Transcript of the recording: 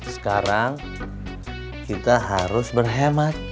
sekarang kita harus berhemat